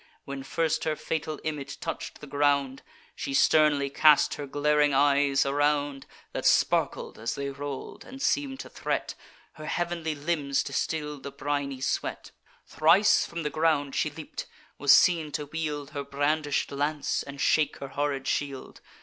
When first her fatal image touch'd the ground, She sternly cast her glaring eyes around, That sparkled as they roll'd, and seem'd to threat: Her heav'nly limbs distill'd a briny sweat. Thrice from the ground she leap'd, was seen to wield Her brandish'd lance, and shake her horrid shield.